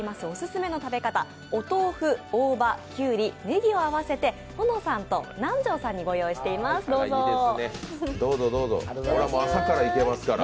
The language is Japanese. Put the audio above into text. オススメの食べ方、お豆腐、大葉、きゅうり、ねぎを合わせて保乃さんと南條さんに御用意しています。